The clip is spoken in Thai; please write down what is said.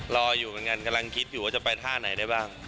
รออยู่เหมือนกันกำลังคิดอยู่ว่าจะไปท่าไหนได้บ้าง